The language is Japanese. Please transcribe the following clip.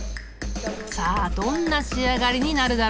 さあどんな仕上がりになるだろう？